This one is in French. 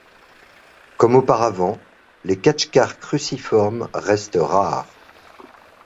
Comme auparavant, les khatchkars cruciformes restent rares.